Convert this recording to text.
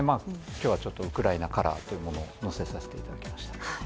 今日はちょっとウクライナカラーというものをのせさせていただきました。